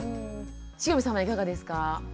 汐見さんはいかがですか？